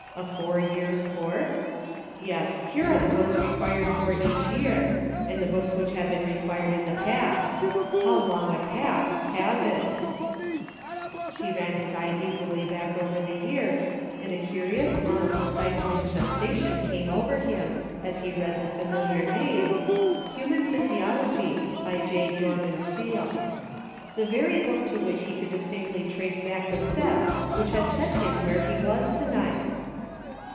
A four years course ? Yes ; here are the books required for each year, and the books which have been required in the past ; how long a * past ' has it .'" He ran his eye eagerly back over the years, and a curious, almost a stifling sensation came over him as he read the familiar name : "Human Phys iology, by J. Dorman Steele." The very book to which he could distinctly trace back the steps which had set him where he was to night